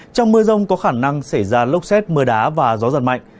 trong mưa rông có khả năng xảy ra lốc xét mưa đá và gió giật mạnh